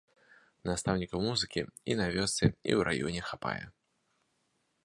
Настаўнікаў музыкі і на вёсцы, і ў раёне хапае.